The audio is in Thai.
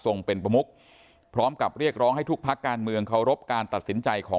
เป็นประมุกพร้อมกับเรียกร้องให้ทุกพักการเมืองเคารพการตัดสินใจของ